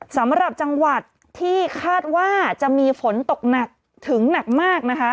สำหรับจังหวัดที่คาดว่าจะมีฝนตกหนักถึงหนักมากนะคะ